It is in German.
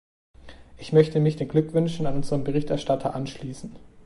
Ich möchte mich den Glückwünschen an unseren Berichterstatter anschließen.